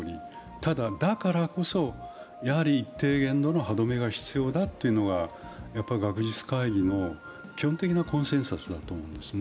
ただ、だからこそやはり一定限度の歯止めが必要だというのが学術会議の基本的なコンセンサスだと思うんですね。